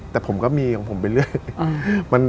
แต่ผมก็มีของผมไปเรื่อย